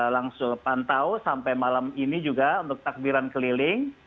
langsung pantau sampai malam ini juga untuk takbiran keliling